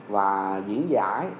và diễn giải